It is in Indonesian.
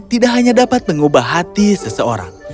tidak hanya dapat mengubah hati seseorang